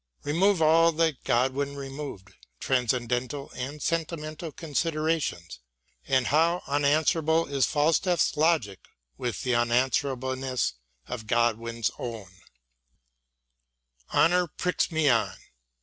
Remove all that Godwin removed — ^transcen dental and sentimental considerations — and how unanswerable is Falstaff's logic with the un answerableness of Godwin's own : Honour pricks me on.